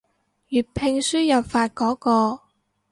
粵拼輸入法嗰個